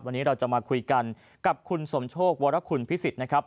วันนี้เราจะมาคุยกันกับคุณสมโชควรคุณพิสิทธิ์นะครับ